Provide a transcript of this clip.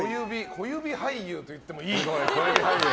小指俳優と言ってもいい。